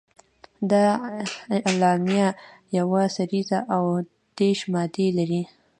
دا اعلامیه یوه سريزه او دېرش مادې لري.